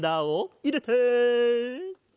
いれて。